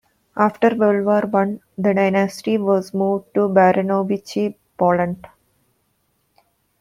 After World War One, the dynasty was moved to Baranovichi, Poland.